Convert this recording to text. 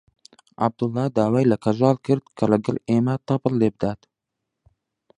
عەبدوڵڵا داوای لە کەژاڵ کرد کە لەگەڵ ئێمە تەپڵ لێ بدات.